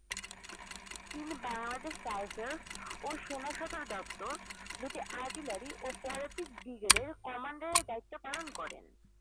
তিনি বাংলাদেশ রাইফেলস ও সেনা সদর দপ্তর, দুটি আর্টিলারি ও পদাতিক ব্রিগেডের কমান্ডারের দায়িত্ব পালন করেন।